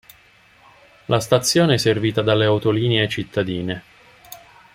La stazione è servita dalle autolinee cittadine.